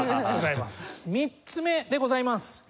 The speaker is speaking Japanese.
３つ目でございます。